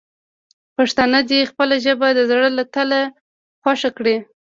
پښتانه دې خپله ژبه د زړه له تله خوښه کړي.